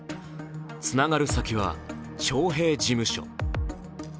つながる先は徴兵事務所。